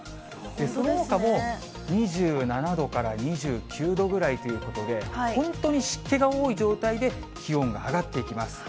そのほかも２７度から２９度ぐらいということで、本当に湿気が多い状態で、気温が上がっていきます。